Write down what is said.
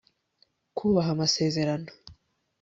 kubaha amasezerano